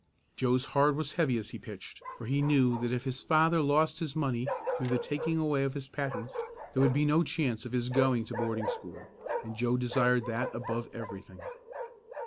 Joe's heart was heavy as he pitched, for he knew that if his father lost his money through the taking away of his patents there would be no chance of his going to boarding school, and Joe desired that above everything.